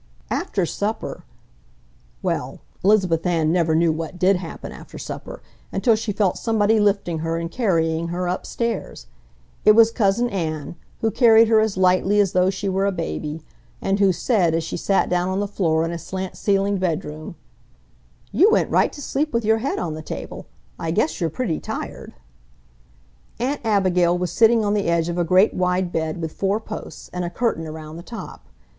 After supper—well, Elizabeth Ann never knew what did happen after supper until she felt somebody lifting her and carrying her upstairs. It was Cousin Ann, who carried her as lightly as though she were a baby, and who said, as she sat down on the floor in a slant ceilinged bedroom, "You went right to sleep with your head on the table. I guess you're pretty tired." Aunt Abigail was sitting on the edge of a great wide bed with four posts, and a curtain around the top.